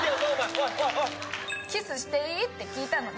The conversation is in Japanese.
キスしていい？って聞いたのね。